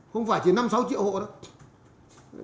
không phải chỉ năm sáu triệu hộ đâu